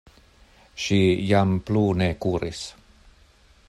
Ŝi jam plu ne kuris.